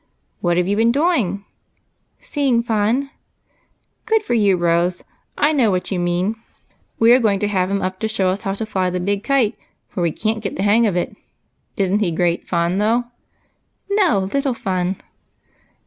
"What have you been doing?" " Seeing Fun." " Good for you. Rose ! I know what you mean. We are going to have him uj) to show us how to fly the big kite, for we can't get the hang of it. Is n't he great fun, though?" " No, little Fun."